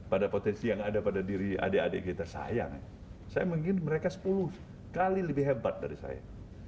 pada potensi yang ada pada diri adik adik kita sayang saya mungkin mereka sepuluh kali lebih hebat dari saya